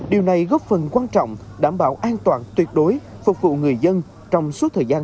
điều này góp phần quan trọng đảm bảo an toàn tuyệt đối phục vụ người dân trong suốt thời gian